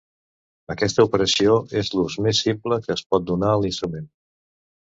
Aquesta operació és l'ús més simple que es pot donar a l'instrument.